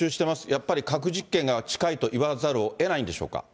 やっぱり核実験が近いと言わざるをえないんでしょうか。